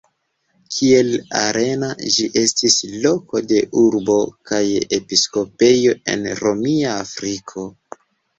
Kiel Arena ĝi estis loko de urbo kaj episkopejo en Romia Afriko.